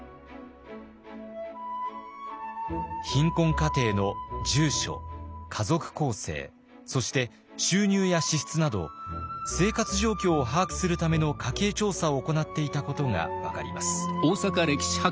貧困家庭の住所家族構成そして収入や支出など生活状況を把握するための家計調査を行っていたことが分かります。